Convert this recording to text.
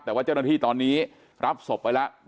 แต่ว่าเจ้าหน้าที่ตอนนี้รับศพไปแล้ว